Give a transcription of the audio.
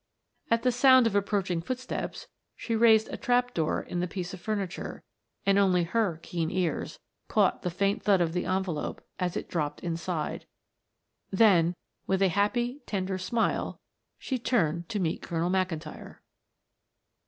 At the sound of approaching footsteps she raised a trap door in the piece of furniture and only her keen ears caught the faint thud of the envelope as it dropped inside, then with a happy, tender smile she turned to meet Colonel McIntyre.